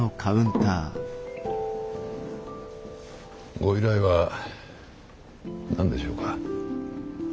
ご依頼は何でしょうか？